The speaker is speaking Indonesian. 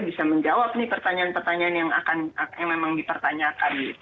bisa menjawab nih pertanyaan pertanyaan yang akan yang memang bisa ditanyakan